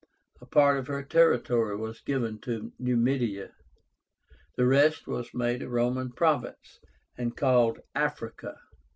A part of her territory was given to Numidia. The rest was made a Roman province, and called AFRICA.